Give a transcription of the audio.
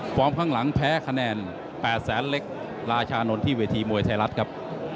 พร้อมข้างหลังแพ้คะแนนแปดแสนเหล็กราชานนที่เวทีบวยไทยรัฐครับ